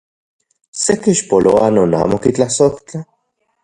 ¿Se kixpoloa non amo kitlasojtla?